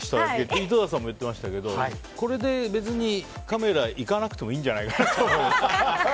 井戸田さんも言ってたけどこれで別にカメラ行かなくてもいいんじゃないかなって。